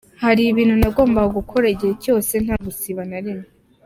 Byari ibintu nagombaga gukora igihe cyose, nta gusiba na rimwe.